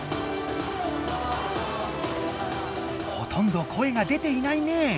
ほとんど声が出ていないね。